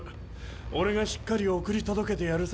俺がしっかり送り届けてやるさ。